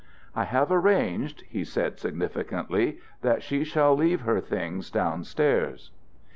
"I have arranged," he said significantly, "that she shall leave her things down stairs."